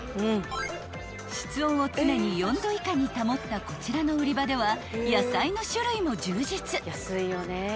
［室温を常に４℃以下に保ったこちらの売り場では野菜の種類も充実］